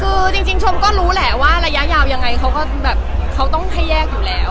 คือจริงชมก็รู้แหละว่าระยะยาวยังไงเขาก็แบบเขาต้องให้แยกอยู่แล้ว